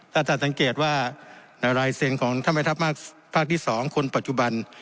ถ้าท่านสังเกตว่าในลายเซ็นต์ของท่านแม่ทัพภาคที่๒คนปัจจุบัน